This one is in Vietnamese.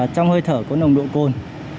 trong hơi thở có nồng độ côn